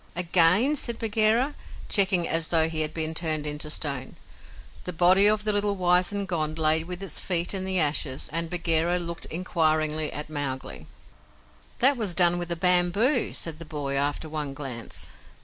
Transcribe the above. "Again!" said Bagheera, checking as though he had been turned into stone. The body of a little wizened Gond lay with its feet in the ashes, and Bagheera looked inquiringly at Mowgli. "That was done with a bamboo," said the boy, after one glance.